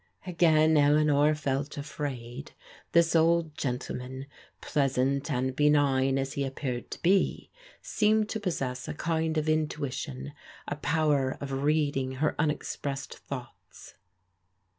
Again Ekanor f dt afraid. This <dd gentleman, pleas | ant and benign as he ^ipeared to be, seemed to possess a land of in tnitioo, a power of reading her unexpressed thoughts.